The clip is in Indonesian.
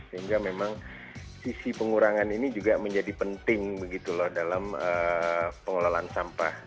sehingga memang sisi pengurangan ini juga menjadi penting begitu loh dalam pengelolaan sampah